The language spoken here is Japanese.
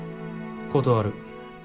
断る。